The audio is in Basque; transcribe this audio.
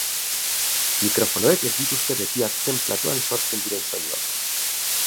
Mikrofonoek ez dituzte beti hartzen platoan sortzen diren soinuak.